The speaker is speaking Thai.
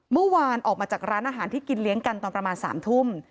เมื่อวานออกมาจากร้านอาหารที่กินเลี้ยงกันตอนประมาณ๓ทุ่ม